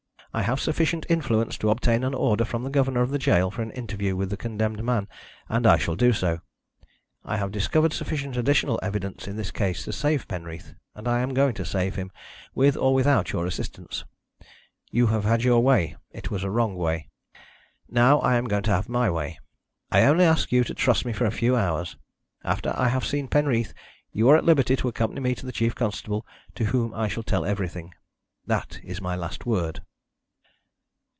I have sufficient influence to obtain an order from the governor of the gaol for an interview with the condemned man, and I shall do so. I have discovered sufficient additional evidence in this case to save Penreath, and I am going to save him, with or without your assistance. You have had your way it was a wrong way. Now I am going to have my way. I only ask you to trust me for a few hours. After I have seen Penreath you are at liberty to accompany me to the chief constable, to whom I shall tell everything. That is my last word."